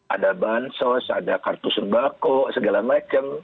ada bansos ada kartu sembako segala macam